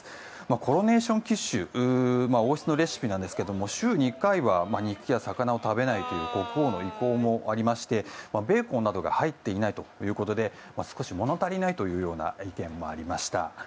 コロネーションキッシュ王室のレシピなんですが週に１回は、肉や魚を食べないという国王の意向もありましてベーコンなどが入っていないということで物足りないという意見もありました。